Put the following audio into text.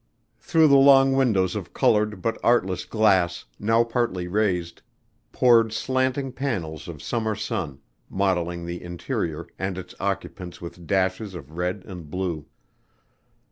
Through the long windows of colored but artless glass, now partly raised, poured slanting panels of summer sun, mottling the interior and its occupants with dashes of red and blue.